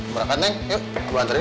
berakan neng yuk gua anterin